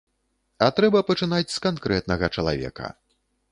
А трэба пачынаць з канкрэтнага чалавека.